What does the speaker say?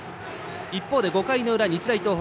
一方で、５回の裏日大東北。